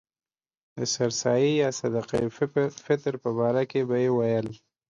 د سر سایې یا صدقه فطر په باره کې به یې ویل.